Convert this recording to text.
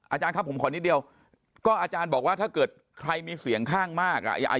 อาจารย์ครับผมขอนิดเดียวก็อาจารย์บอกว่าถ้าเกิดใครมีเสียงข้างมากอ่ะ